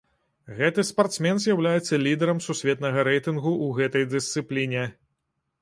Гэты спартсмен з'яўляецца лідарам сусветнага рэйтынгу ў гэтай дысцыпліне.